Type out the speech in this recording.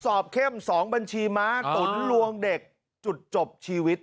เข้ม๒บัญชีม้าตุ๋นลวงเด็กจุดจบชีวิต